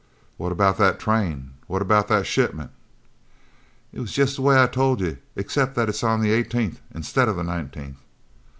"What about that train? What about that shipment?" "It's jest the way I told you, except that it's on the eighteenth instead of the nineteenth."